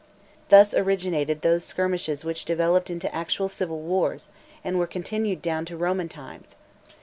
Thus originated those skirmishes which developed into actual civil wars, and were continued down to Roman times.